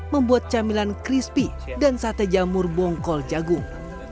membuat camilan crispy dan sate jamur bongkol jagung